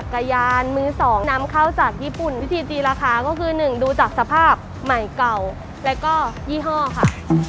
เก่าและก็ยี่ห้อค่ะ